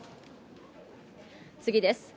次です。